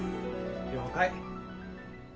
了解。